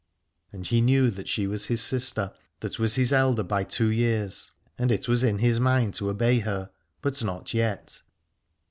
And he knew that she was his sister, that was his elder by two years, and it was in his mind to obey her, but not yet.